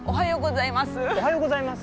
おはようございます。